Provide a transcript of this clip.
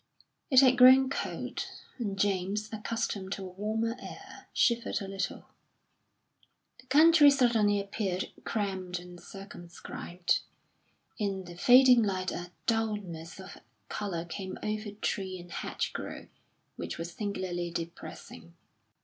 It had grown cold, and James, accustomed to a warmer air, shivered a little. The country suddenly appeared cramped and circumscribed; in the fading light a dulness of colour came over tree and hedgerow which was singularly depressing.